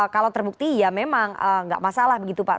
kalau terbukti ya memang nggak masalah begitu pak